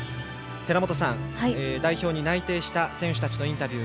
寺本さん、代表に内定した選手たちのインタビュー。